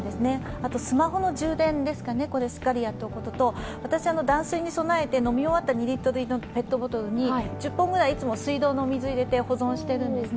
あとスマホの充電をしっかりやっておくことと私、断水に備えて飲み終わった２リットル入りペットボトルに１０本くらいいつも水道の水を入れて保存しているんですね。